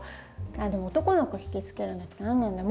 でも男の子引き付けるんだったら何なんだろう？